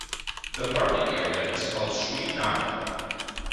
The market area is called "Sewri Naka".